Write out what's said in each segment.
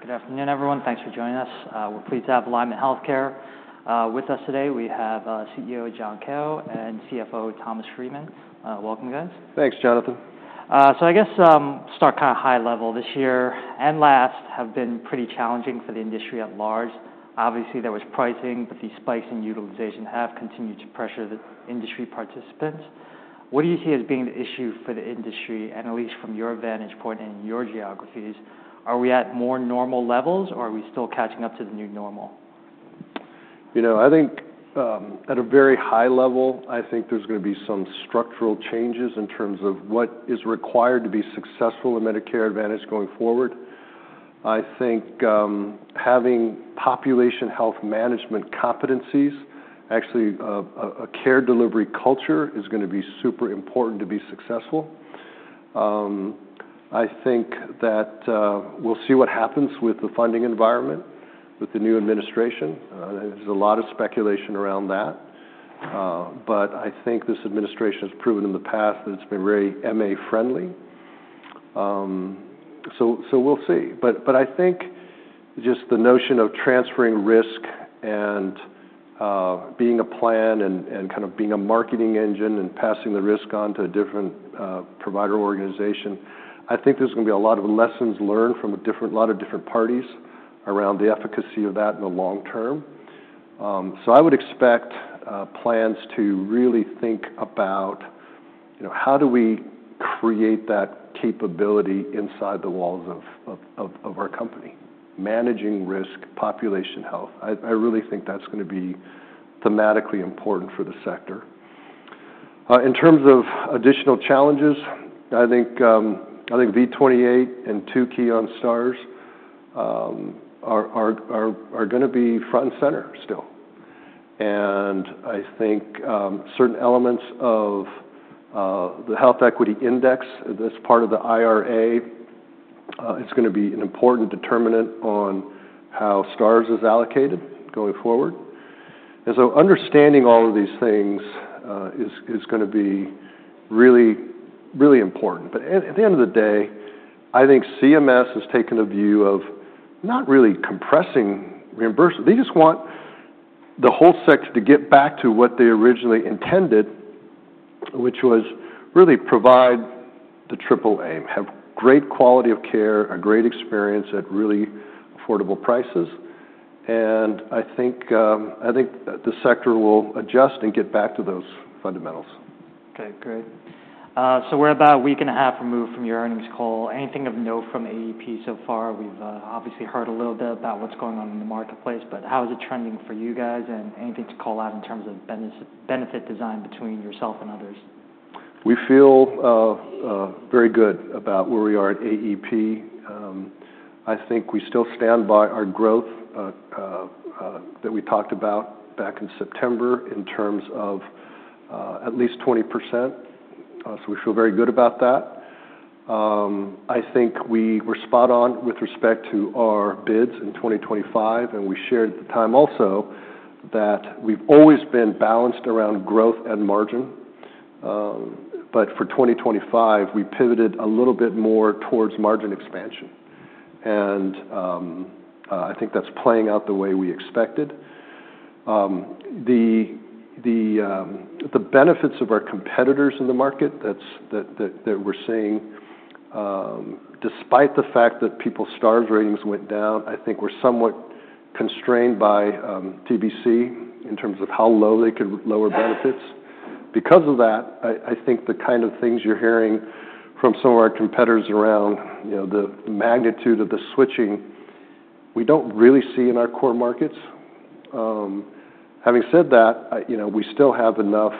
Good afternoon, everyone. Thanks for joining us. We're pleased to have Alignment Healthcare with us today. We have CEO John Kao and CFO Thomas Freeman. Welcome, guys. Thanks, Jonathan. I guess, start kinda high level. This year and last have been pretty challenging for the industry at large. Obviously, there was pricing, but these spikes in utilization have continued to pressure the industry participants. What do you see as being the issue for the industry, and at least from your vantage point and your geographies? Are we at more normal levels, or are we still catching up to the new normal? You know, I think, at a very high level, I think there's gonna be some structural changes in terms of what is required to be successful in Medicare Advantage going forward. I think, having population health management competencies, actually, a care delivery culture is gonna be super important to be successful. I think that, we'll see what happens with the funding environment with the new administration. There's a lot of speculation around that. But I think this administration has proven in the past that it's been very MA-friendly. So we'll see. But I think just the notion of transferring risk and being a plan and kind of being a marketing engine and passing the risk on to a different provider organization. I think there's gonna be a lot of lessons learned from a lot of different parties around the efficacy of that in the long term. So I would expect plans to really think about, you know, how do we create that capability inside the walls of our company? Managing risk, population health. I really think that's gonna be thematically important for the sector. In terms of additional challenges, I think V28 and Tukey on stars are gonna be front and center still. And I think certain elements of the Health Equity Index, this part of the IRA, is gonna be an important determinant on how stars is allocated going forward. And so understanding all of these things is gonna be really, really important. But at the end of the day, I think CMS has taken a view of not really compressing reimbursement. They just want the whole sector to get back to what they originally intended, which was really provide the Triple Aim: have great quality of care, a great experience at really affordable prices. And I think the sector will adjust and get back to those fundamentals. Okay. Great, so we're about a week and a half removed from your earnings call. Anything of note from AEP so far? We've obviously heard a little bit about what's going on in the marketplace, but how is it trending for you guys? And anything to call out in terms of benes benefit design between yourself and others? We feel very good about where we are at AEP. I think we still stand by our growth that we talked about back in September in terms of at least 20%, so we feel very good about that. I think we were spot on with respect to our bids in 2025, and we shared at the time also that we've always been balanced around growth and margin, but for 2025, we pivoted a little bit more towards margin expansion, and I think that's playing out the way we expected. The benefits of our competitors in the market that we're seeing, despite the fact that people's Star Ratings went down, I think we're somewhat constrained by TBC in terms of how low they could lower benefits. Because of that, I think the kind of things you're hearing from some of our competitors around, you know, the magnitude of the switching, we don't really see in our core markets. Having said that, you know, we still have enough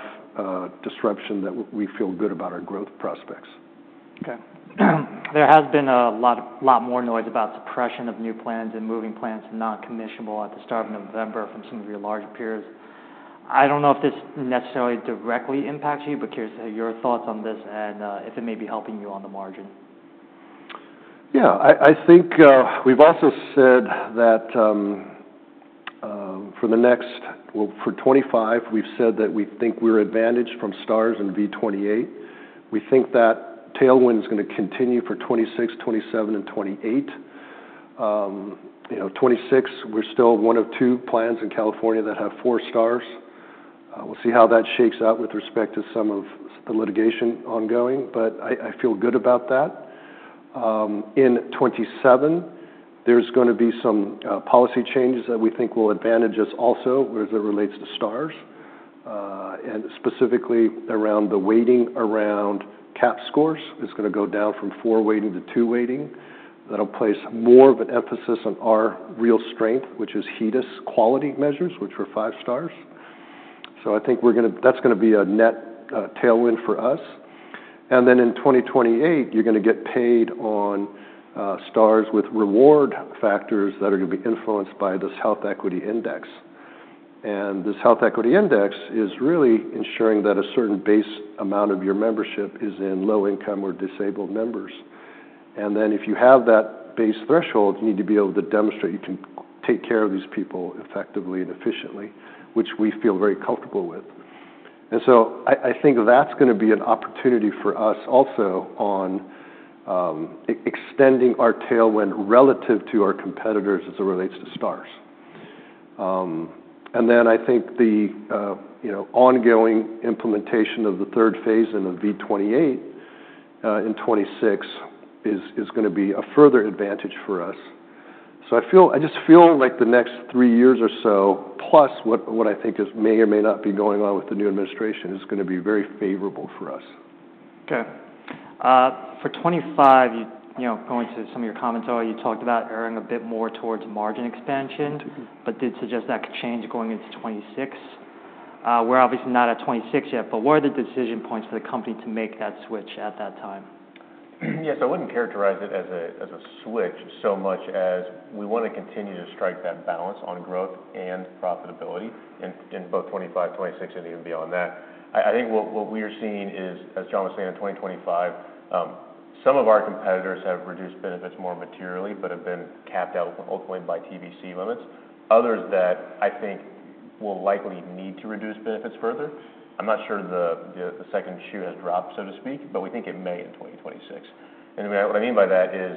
disruption that we feel good about our growth prospects. Okay. There has been a lot more noise about suppression of new plans and moving plans to non-commissionable at the start of November from some of your larger peers. I don't know if this necessarily directly impacts you, but curious to have your thoughts on this and, if it may be helping you on the margin. Yeah. I, I think, we've also said that, for the next well, for 2025, we've said that we think we're advantaged from stars in V28. We think that tailwind's gonna continue for 2026, 2027, and 2028. You know, 2026, we're still one of two plans in California that have four stars. We'll see how that shakes out with respect to some of the litigation ongoing, but I, I feel good about that. In 2027, there's gonna be some policy changes that we think will advantage us also as it relates to stars. And specifically around the weighting around CAHPS scores is gonna go down from four weighting to two weighting. That'll place more of an emphasis on our real strength, which is HEDIS quality measures, which were five stars. So I think we're gonna that's gonna be a net tailwind for us. Then in 2028, you're gonna get paid on stars with reward factors that are gonna be influenced by this Health Equity Index. This Health Equity Index is really ensuring that a certain base amount of your membership is in low-income or disabled members. Then if you have that base threshold, you need to be able to demonstrate you can take care of these people effectively and efficiently, which we feel very comfortable with. So I think that's gonna be an opportunity for us also on extending our tailwind relative to our competitors as it relates to stars. Then I think the you know ongoing implementation of the third phase in the V28 in 2026 is gonna be a further advantage for us. So I feel like the next three years or so, plus what I think may or may not be going on with the new administration is gonna be very favorable for us. Okay. For 2025, you know, going to some of your comments, oh, you talked about erring a bit more towards margin expansion, but did suggest that could change going into 2026. We're obviously not at 2026 yet, but what are the decision points for the company to make that switch at that time? Yes. I wouldn't characterize it as a switch so much as we wanna continue to strike that balance on growth and profitability in both 2025, 2026, and even beyond that. I think what we are seeing is, as John was saying, in 2025, some of our competitors have reduced benefits more materially but have been capped out ultimately by TBC limits. Others that I think will likely need to reduce benefits further. I'm not sure the second shoe has dropped, so to speak, but we think it may in 2026, and what I mean by that is,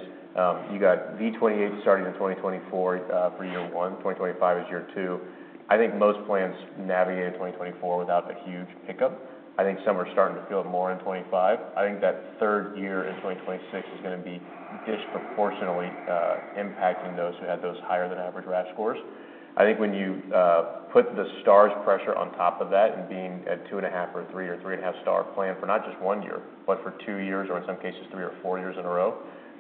you got V28 starting in 2024, for year one. 2025 is year two. I think most plans navigated 2024 without a huge hiccup. I think some are starting to feel it more in 2025. I think that third year in 2026 is gonna be disproportionately impacting those who had those higher-than-average RAF scores. I think when you put the stars pressure on top of that and being a two-and-a-half or a three or three-and-a-half star plan for not just one year but for two years or in some cases three or four years in a row,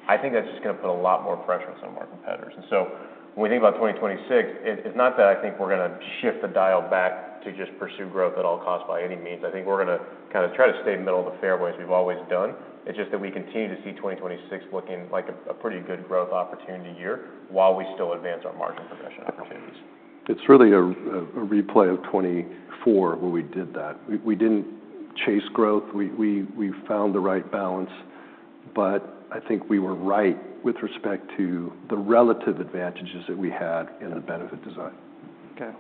I think that's just gonna put a lot more pressure on some of our competitors. So when we think about 2026, it, it's not that I think we're gonna shift the dial back to just pursue growth at all costs by any means. I think we're gonna kinda try to stay middle of the fairways we've always done. It's just that we continue to see 2026 looking like a, a pretty good growth opportunity year while we still advance our margin progression opportunities. It's really a replay of 2024 where we did that. We didn't chase growth. We found the right balance, but I think we were right with respect to the relative advantages that we had in the benefit design. Okay.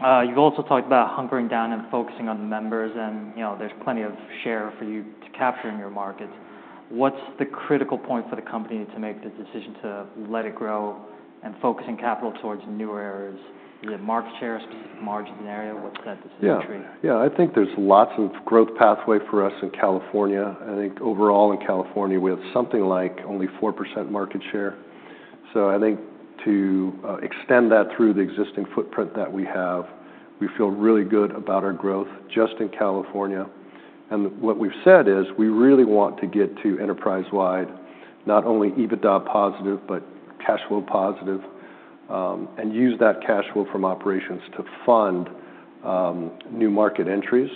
You've also talked about hunkering down and focusing on members, and, you know, there's plenty of share for you to capture in your markets. What's the critical point for the company to make the decision to let it grow and focusing capital towards newer areas? Is it market share, specific margin scenario? What's that decision tree? Yeah. Yeah. I think there's lots of growth pathway for us in California. I think overall in California, we have something like only 4% market share. So I think to extend that through the existing footprint that we have, we feel really good about our growth just in California. And what we've said is we really want to get to enterprise-wide, not only EBITDA positive but cash flow positive, and use that cash flow from operations to fund new market entries.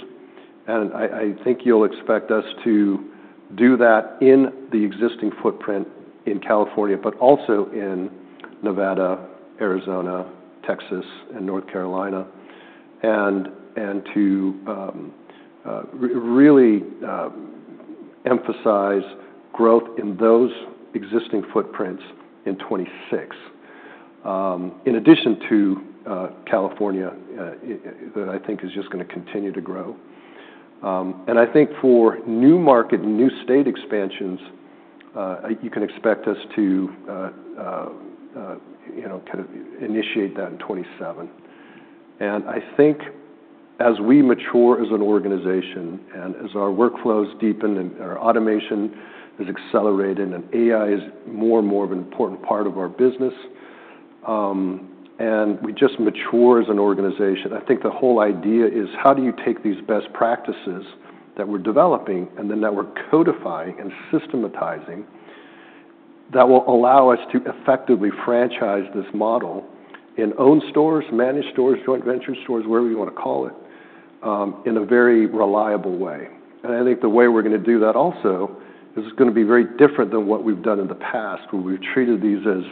And I think you'll expect us to do that in the existing footprint in California but also in Nevada, Arizona, Texas, and North Carolina, and to really emphasize growth in those existing footprints in 2026, in addition to California, that I think is just gonna continue to grow. And I think for new market and new state expansions, you can expect us to, you know, kinda initiate that in 2027. And I think as we mature as an organization and as our workflows deepen and our automation is accelerated and AI is more and more of an important part of our business, and we just mature as an organization, I think the whole idea is how do you take these best practices that we're developing and then that we're codifying and systematizing that will allow us to effectively franchise this model in own stores, managed stores, joint venture stores, whatever you wanna call it, in a very reliable way. And I think the way we're gonna do that also is gonna be very different than what we've done in the past where we've treated these as,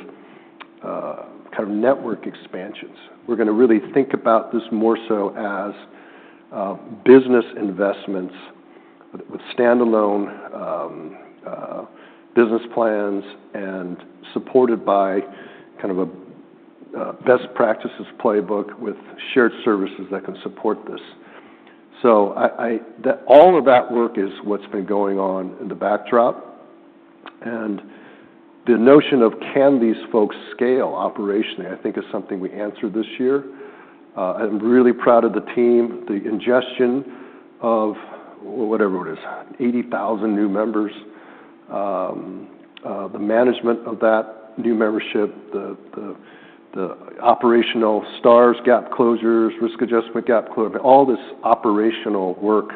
kind of network expansions. We're gonna really think about this more so as business investments with standalone business plans and supported by kind of a best practices playbook with shared services that can support this. So I that all of that work is what's been going on in the backdrop. The notion of can these folks scale operationally I think is something we answered this year. I'm really proud of the team, the ingestion of whatever it is 80,000 new members, the management of that new membership, the operational stars gap closures, risk adjustment gap closure, all this operational work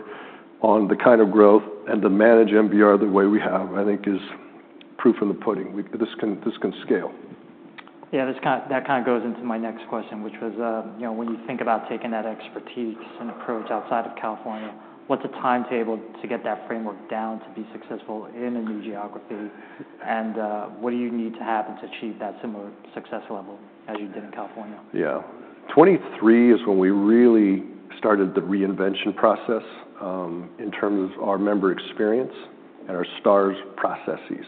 on the kind of growth and to manage MLR the way we have, I think is proof of the pudding. We this can scale. Yeah. This kind of goes into my next question, which was, you know, when you think about taking that expertise and approach outside of California, what's a timetable to get that framework down to be successful in a new geography? And, what do you need to happen to achieve that similar success level as you did in California? Yeah. 2023 is when we really started the reinvention process, in terms of our member experience and our stars processes.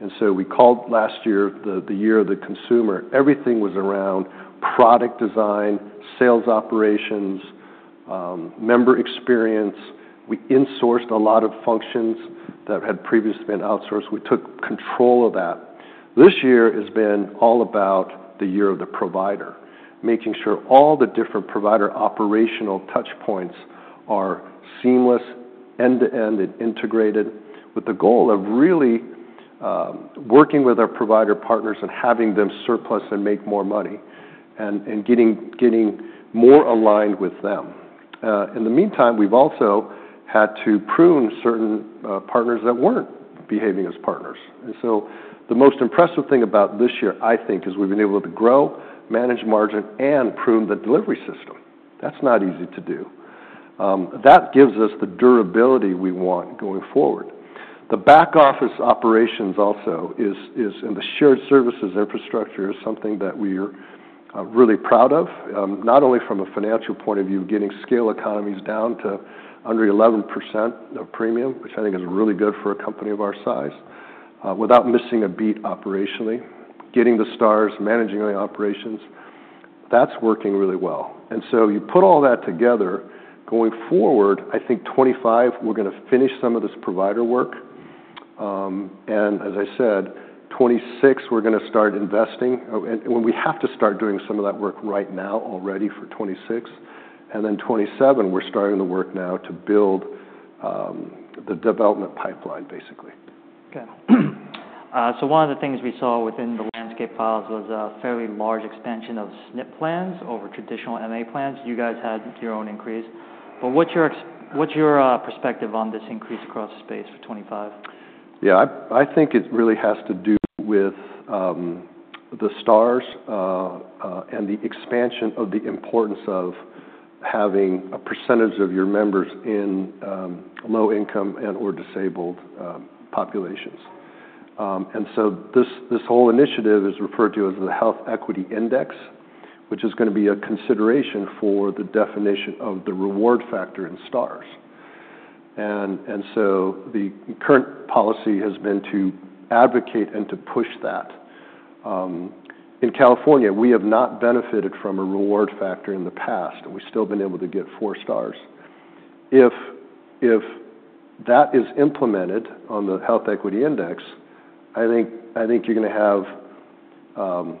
And so we called last year the year of the consumer. Everything was around product design, sales operations, member experience. We insourced a lot of functions that had previously been outsourced. We took control of that. This year has been all about the year of the provider, making sure all the different provider operational touchpoints are seamless, end-to-end, and integrated with the goal of really working with our provider partners and having them surplus and make more money and getting more aligned with them. In the meantime, we've also had to prune certain partners that weren't behaving as partners. And so the most impressive thing about this year, I think, is we've been able to grow, manage margin, and prune the delivery system. That's not easy to do. That gives us the durability we want going forward. The back office operations also is and the shared services infrastructure is something that we are really proud of, not only from a financial point of view, getting scale economies down to under 11% of premium, which I think is really good for a company of our size, without missing a beat operationally, getting the stars, managing the operations. That's working really well. And so you put all that together going forward, I think 2025 we're gonna finish some of this provider work. And as I said, 2026 we're gonna start investing. And we have to start doing some of that work right now already for 2026. And then 2027 we're starting the work now to build the development pipeline, basically. Okay, so one of the things we saw within the landscape files was a fairly large expansion of SNP plans over traditional MA plans. You guys had your own increase. But what's your perspective on this increase across the space for 2025? Yeah. I, I think it really has to do with the stars, and the expansion of the importance of having a percentage of your members in low-income and/or disabled populations. And so this whole initiative is referred to as the Health Equity Index, which is gonna be a consideration for the definition of the reward factor in stars. And so the current policy has been to advocate and to push that. In California, we have not benefited from a reward factor in the past, and we've still been able to get four stars. If that is implemented on the Health Equity Index, I think you're gonna have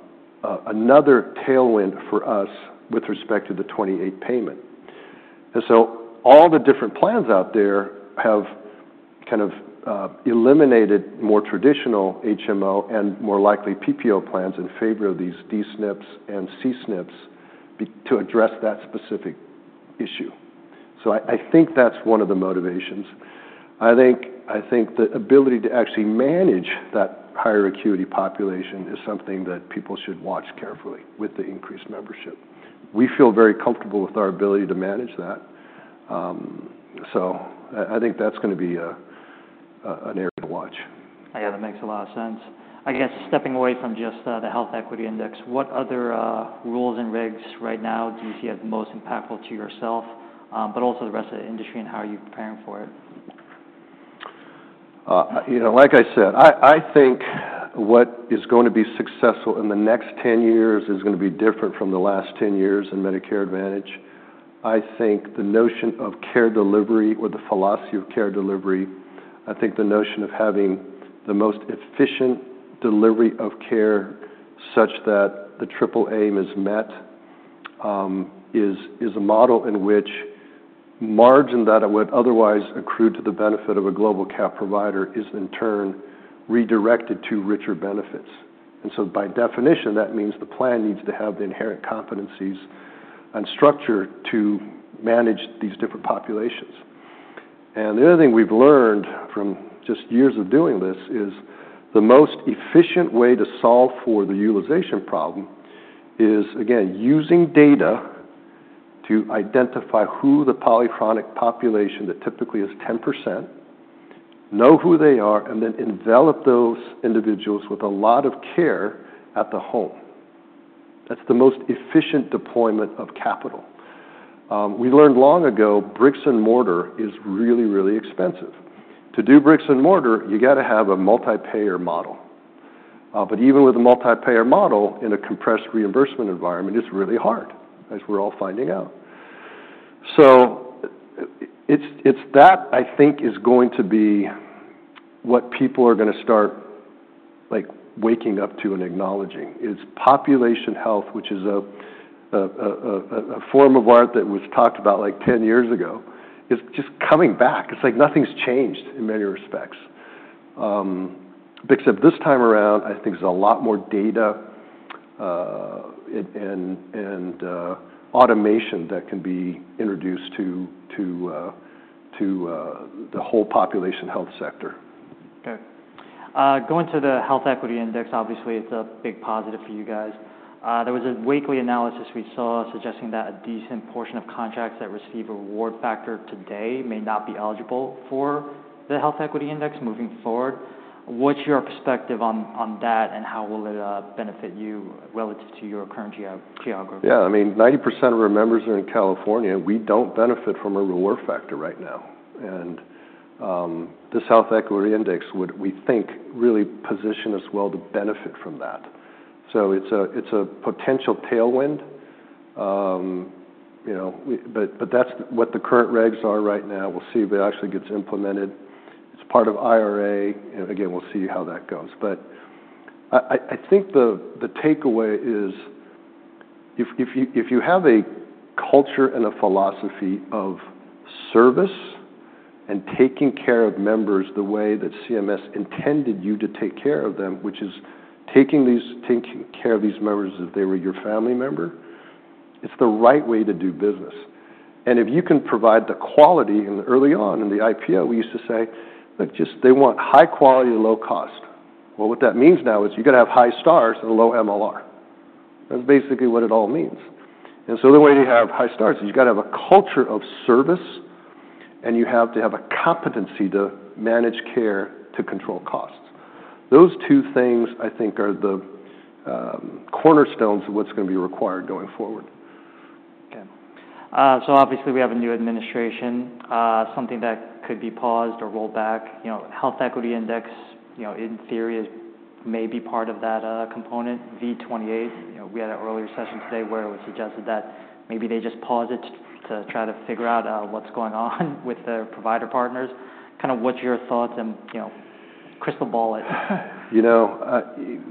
another tailwind for us with respect to the 2028 payment. And so all the different plans out there have kind of eliminated more traditional HMO and more likely PPO plans in favor of these DSNPs and CSNPs to address that specific issue. So I think that's one of the motivations. I think the ability to actually manage that higher acuity population is something that people should watch carefully with the increased membership. We feel very comfortable with our ability to manage that. So I think that's gonna be an area to watch. Yeah. That makes a lot of sense. I guess stepping away from just, the Health Equity Index, what other, rules and regs right now do you see as most impactful to yourself, but also the rest of the industry and how are you preparing for it? You know, like I said, I, I think what is going to be successful in the next 10 years is gonna be different from the last 10 years in Medicare Advantage. I think the notion of care delivery or the philosophy of care delivery, I think the notion of having the most efficient delivery of care such that the Triple Aim is met, is, is a model in which margin that would otherwise accrue to the benefit of a global cap provider is in turn redirected to richer benefits. And so by definition, that means the plan needs to have the inherent competencies and structure to manage these different populations. And the other thing we've learned from just years of doing this is the most efficient way to solve for the utilization problem is, again, using data to identify who the polychronic population that typically is 10%, know who they are, and then envelop those individuals with a lot of care at the home. That's the most efficient deployment of capital. We learned long ago bricks and mortar is really, really expensive. To do bricks and mortar, you gotta have a multi-payer model. But even with a multi-payer model in a compressed reimbursement environment, it's really hard, as we're all finding out. So it's, it's that, I think, is going to be what people are gonna start, like, waking up to and acknowledging. It's population health, which is a form of art that was talked about like 10 years ago, is just coming back. It's like nothing's changed in many respects. Except this time around, I think there's a lot more data, and automation that can be introduced to the whole population health sector. Okay. Going to the Health Equity Index, obviously, it's a big positive for you guys. There was a weekly analysis we saw suggesting that a decent portion of contracts that receive a reward factor today may not be eligible for the Health Equity Index moving forward. What's your perspective on that and how will it benefit you relative to your current geography? Yeah. I mean, 90% of our members are in California. We don't benefit from a Reward Factor right now. And this Health Equity Index would, we think, really position us well to benefit from that. So it's a potential tailwind, you know, but that's what the current regs are right now. We'll see if it actually gets implemented. It's part of IRA. And again, we'll see how that goes. But I think the takeaway is if you have a culture and a philosophy of service and taking care of members the way that CMS intended you to take care of them, which is taking care of these members as if they were your family member, it's the right way to do business. If you can provide the quality and early on in the IPO, we used to say, "Look, just they want high quality, low cost." Well, what that means now is you gotta have high stars and low MLR. That's basically what it all means. The way to have high stars is you gotta have a culture of service and you have to have a competency to manage care to control costs. Those two things, I think, are the cornerstones of what's gonna be required going forward. Okay. So obviously we have a new administration, something that could be paused or rolled back. You know, Health Equity Index, you know, in theory may be part of that, component V28. You know, we had an earlier session today where it was suggested that maybe they just pause it to try to figure out what's going on with the provider partners. Kinda, what's your thoughts and, you know, crystal ball it? You know,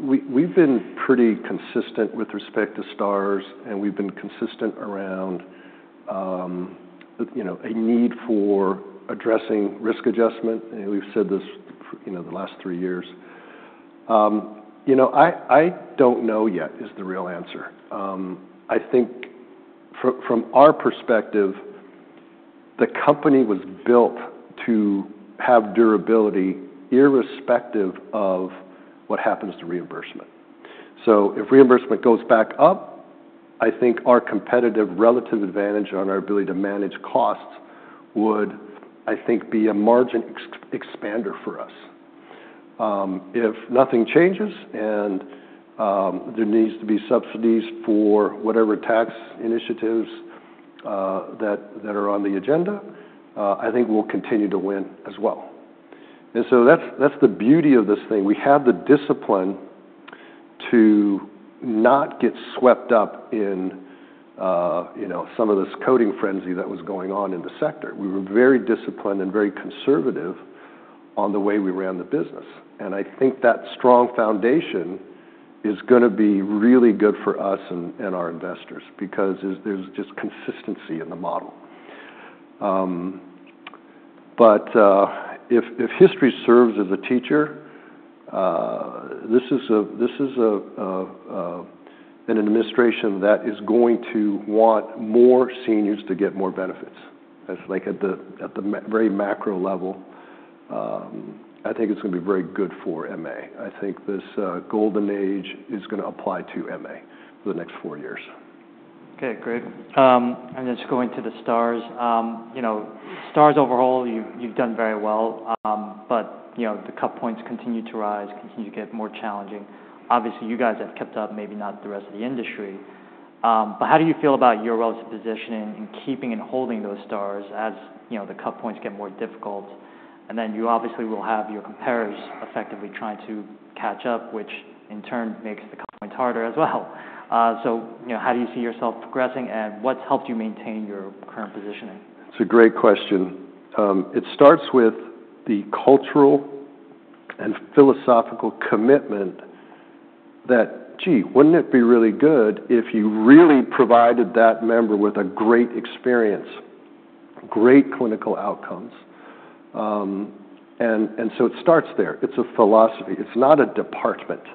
we've been pretty consistent with respect to stars and we've been consistent around, you know, a need for addressing risk adjustment. And we've said this for, you know, the last three years. You know, I don't know yet is the real answer. I think from our perspective, the company was built to have durability irrespective of what happens to reimbursement. So if reimbursement goes back up, I think our competitive relative advantage on our ability to manage costs would, I think, be a margin expander for us. If nothing changes and there needs to be subsidies for whatever tax initiatives that are on the agenda, I think we'll continue to win as well. And so that's the beauty of this thing. We have the discipline to not get swept up in, you know, some of this coding frenzy that was going on in the sector. We were very disciplined and very conservative on the way we ran the business. And I think that strong foundation is gonna be really good for us and our investors because there's just consistency in the model, but if history serves as a teacher, this is an administration that is going to want more seniors to get more benefits. That's like at the very macro level. I think it's gonna be very good for MA. I think this golden age is gonna apply to MA for the next four years. Okay. Great. And just going to the stars, you know, stars overall, you've done very well. But, you know, the cut points continue to rise, continue to get more challenging. Obviously, you guys have kept up, maybe not the rest of the industry. But how do you feel about your relative positioning in keeping and holding those stars as, you know, the cut points get more difficult? And then you obviously will have your competitors effectively trying to catch up, which in turn makes the cut points harder as well. So, you know, how do you see yourself progressing and what's helped you maintain your current positioning? It's a great question. It starts with the cultural and philosophical commitment that, gee, wouldn't it be really good if you really provided that member with a great experience, great clinical outcomes? And so it starts there. It's a philosophy. It's not a department. It's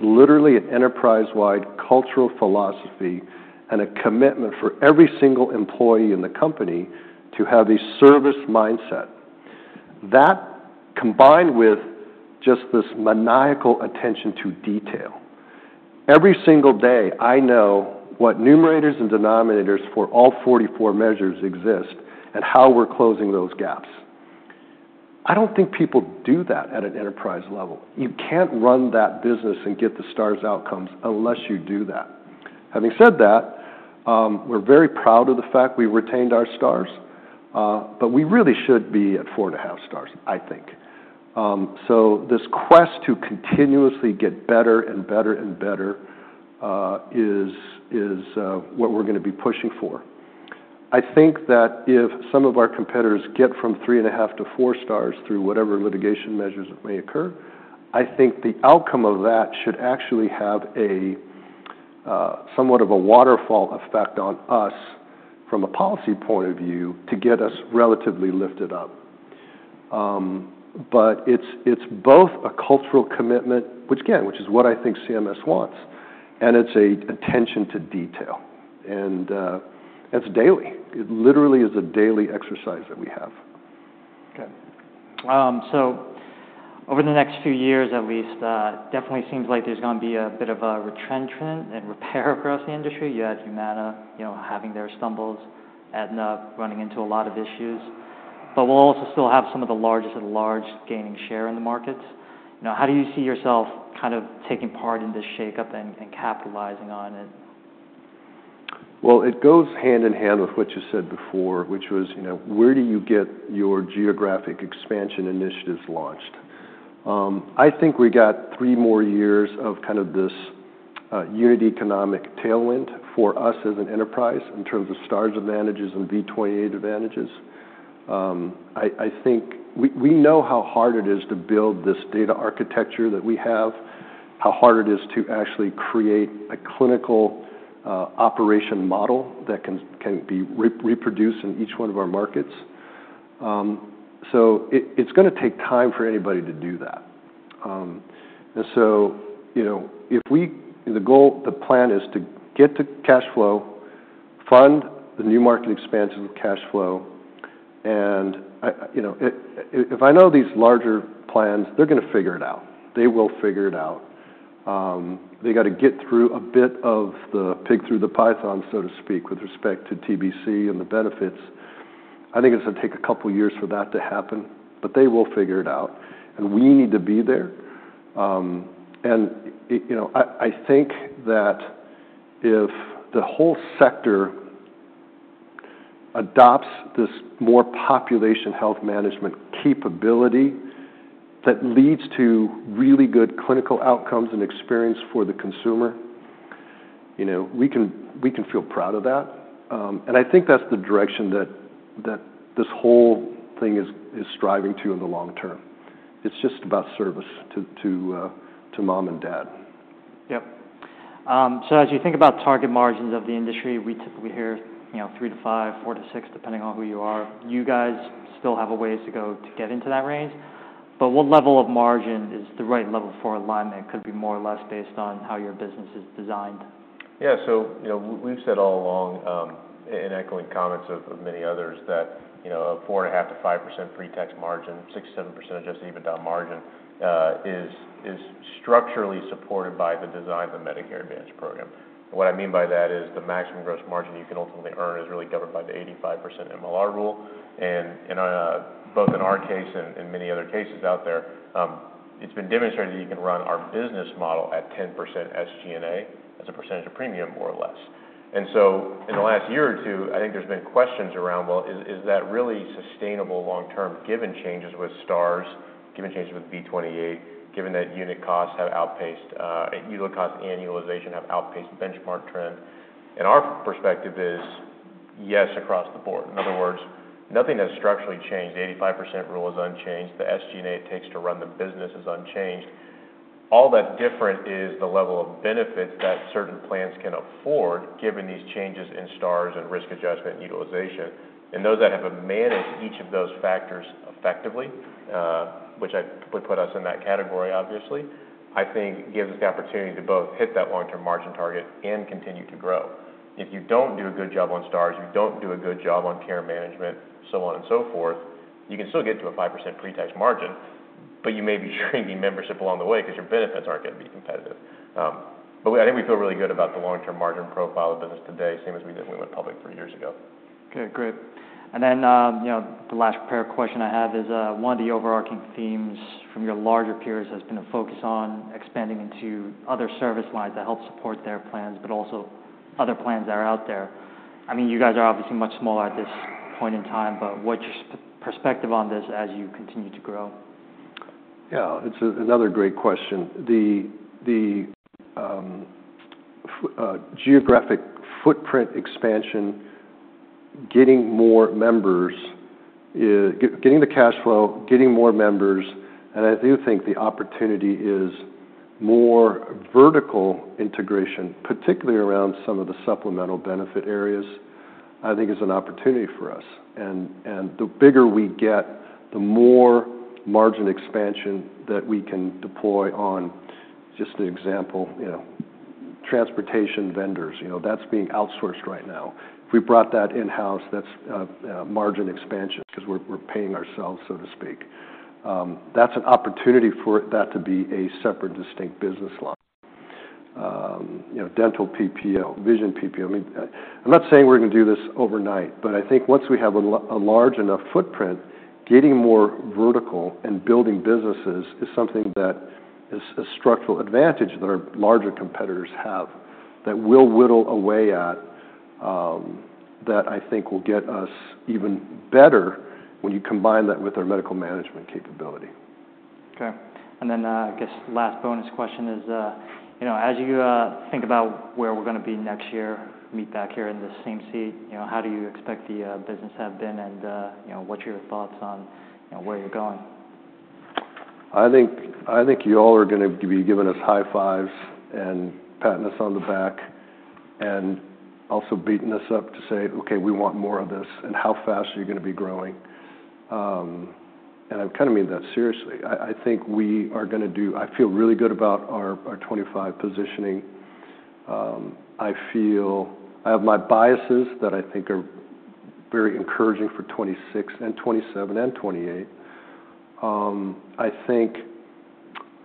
literally an enterprise-wide cultural philosophy and a commitment for every single employee in the company to have a service mindset. That combined with just this maniacal attention to detail. Every single day, I know what numerators and denominators for all 44 measures exist and how we're closing those gaps. I don't think people do that at an enterprise level. You can't run that business and get the stars outcomes unless you do that. Having said that, we're very proud of the fact we retained our stars, but we really should be at four and a half stars, I think. So this quest to continuously get better and better and better is what we're gonna be pushing for. I think that if some of our competitors get from three and a half to four stars through whatever litigation measures may occur, I think the outcome of that should actually have somewhat of a waterfall effect on us from a policy point of view to get us relatively lifted up. But it's both a cultural commitment, which again is what I think CMS wants, and it's an attention to detail. And it's daily. It literally is a daily exercise that we have. Okay. So over the next few years at least, definitely seems like there's gonna be a bit of a retrenchment and repair across the industry. You had Humana, you know, having their stumbles, Aetna running into a lot of issues. But we'll also still have some of the largest of the large gaining share in the markets. You know, how do you see yourself kind of taking part in this shakeup and capitalizing on it? It goes hand in hand with what you said before, which was, you know, where do you get your geographic expansion initiatives launched. I think we got three more years of kind of this unit economic tailwind for us as an enterprise in terms of stars advantages and V28 advantages. I think we know how hard it is to build this data architecture that we have, how hard it is to actually create a clinical operation model that can be reproduced in each one of our markets. It is gonna take time for anybody to do that. You know, if we the goal, the plan is to get to cash flow fund the new market expansion cash flow. And I you know, if I know these larger plans, they are gonna figure it out. They will figure it out. They gotta get through a bit of the pig through the python, so to speak, with respect to TBC and the benefits. I think it's gonna take a couple years for that to happen, but they will figure it out, and we need to be there. And, you know, I think that if the whole sector adopts this more population health management capability that leads to really good clinical outcomes and experience for the consumer, you know, we can feel proud of that. And I think that's the direction that this whole thing is striving to in the long term. It's just about service to mom and dad. Yep. So as you think about target margins of the industry, we typically hear, you know, three to five, four to six, depending on who you are. You guys still have a ways to go to get into that range. But what level of margin is the right level for Alignment? Could it be more or less based on how your business is designed? Yeah. You know, we have said all along, and echoing comments of many others that, you know, a 4.5%-5% pre-tax margin, 67% adjusted EBITDA margin, is structurally supported by the design of the Medicare Advantage program. What I mean by that is the maximum gross margin you can ultimately earn is really governed by the 85% MLR rule. And both in our case and many other cases out there, it has been demonstrated that you can run our business model at 10% SG&A as a percentage of premium, more or less. And so in the last year or two, I think there have been questions around, well, is that really sustainable long term given changes with stars, given changes with V28, given that unit cost annualization has outpaced benchmark trend? And our perspective is yes across the board. In other words, nothing has structurally changed. The 85% rule is unchanged. The SG&A it takes to run the business is unchanged. All that's different is the level of benefits that certain plans can afford given these changes in stars and risk adjustment and utilization. And those that have managed each of those factors effectively, which I would put us in that category, obviously, I think gives us the opportunity to both hit that long-term margin target and continue to grow. If you don't do a good job on stars, you don't do a good job on care management, so on and so forth, you can still get to a 5% pre-tax margin, but you may be shrinking membership along the way 'cause your benefits aren't gonna be competitive. But I think we feel really good about the long-term margin profile of business today, same as we did when we went public three years ago. Okay. Great, and then, you know, the last pair of questions I have is, one of the overarching themes from your larger peers has been a focus on expanding into other service lines that help support their plans, but also other plans that are out there. I mean, you guys are obviously much smaller at this point in time, but what's your perspective on this as you continue to grow? Yeah. It's another great question. The geographic footprint expansion, getting more members, getting the cash flow, getting more members, and I do think the opportunity is more vertical integration, particularly around some of the supplemental benefit areas. I think is an opportunity for us. And the bigger we get, the more margin expansion that we can deploy on. Just an example, you know, transportation vendors, you know, that's being outsourced right now. If we brought that in-house, that's margin expansion 'cause we're paying ourselves, so to speak. That's an opportunity for that to be a separate distinct business line. You know, dental PPO, vision PPO. I mean, I'm not saying we're gonna do this overnight, but I think once we have a large enough footprint, getting more vertical and building businesses is something that is a structural advantage that our larger competitors have that will whittle away at, that I think will get us even better when you combine that with our medical management capability. Okay. And then, I guess the last bonus question is, you know, as you think about where we're gonna be next year, meet back here in the same seat, you know, how do you expect the business to have been and, you know, what's your thoughts on, you know, where you're going? I think, I think you all are gonna be giving us high fives and patting us on the back and also beating us up to say, "Okay, we want more of this." And how fast are you gonna be growing? And I kinda mean that seriously. I, I think we are gonna do. I feel really good about our, our 2025 positioning. I feel I have my biases that I think are very encouraging for 2026 and 2027 and 2028. I think,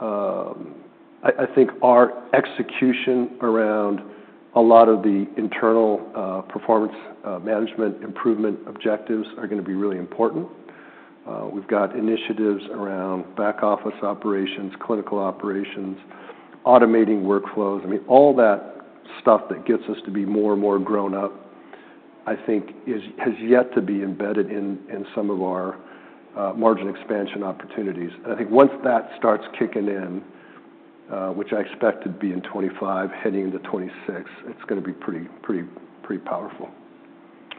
I, I think our execution around a lot of the internal, performance, management improvement objectives are gonna be really important. We've got initiatives around back office operations, clinical operations, automating workflows. I mean, all that stuff that gets us to be more and more grown up, I think, is, has yet to be embedded in, in some of our, margin expansion opportunities. I think once that starts kicking in, which I expect to be in 2025, heading into 2026, it's gonna be pretty, pretty, pretty powerful.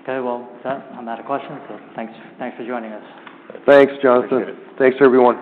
Okay. Well, that I'm out of questions. So, thanks, thanks for joining us. Thanks, Jonathan. Appreciate it. Thanks, everyone.